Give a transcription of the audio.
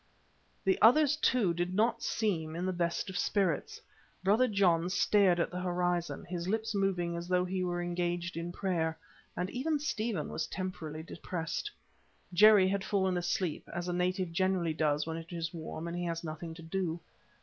The others, too, did not seem in the best of spirits. Brother John stared at the horizon, his lips moving as though he were engaged in prayer, and even Stephen was temporarily depressed. Jerry had fallen asleep, as a native generally does when it is warm and he has nothing to do.